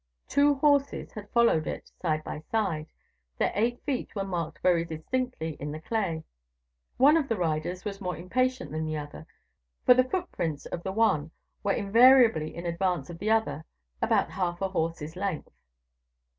Two horses had followed it side by side; their eight feet were marked very distinctly in the clay. One of the riders was more impatient than the other, for the footprints of the one were invariably in advance of the other about half a horse's length."